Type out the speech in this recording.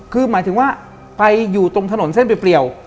คือหมายถึงว่าไปอยู่ตรงถนนเส้นเปรียว